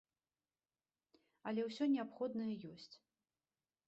Але ўсё неабходнае ёсць.